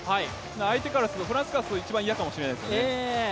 相手から、フランスからすると一番嫌かもしれないですよね。